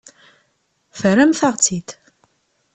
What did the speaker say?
Terramt-aɣ-tt-id.